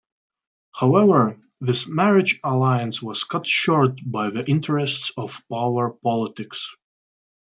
However, this marriage alliance was cut short by the interests of power politics.